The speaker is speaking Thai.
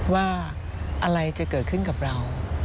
ว่าอะไรจะเกิดขึ้นกับเรา